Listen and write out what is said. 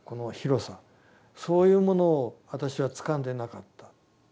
そういうものを私はつかんでなかった。